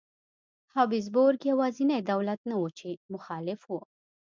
هابسبورګ یوازینی دولت نه و چې مخالف و.